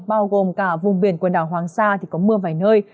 bao gồm cả vùng biển quần đảo hoàng sa thì có mưa vài nơi